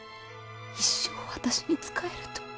一生私に仕えると。